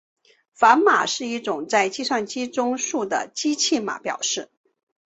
反码是一种在计算机中数的机器码表示。